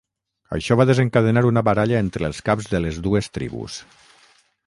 Això va desencadenar una baralla entre els caps de les dues tribus.